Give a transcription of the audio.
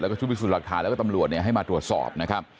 แล้วก็ชุดพิสูจน์หลักฐานแล้วก็ตำรวจให้มาตรวจสอบนะครับ